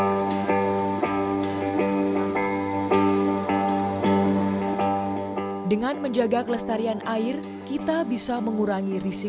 untuk memaksimalkan upaya pelestarian air pemerintah daerah pun melakukan pembelian air